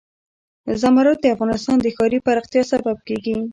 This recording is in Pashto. زمرد د افغانستان د ښاري پراختیا سبب کېږي.